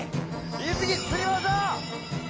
１匹釣りましょう。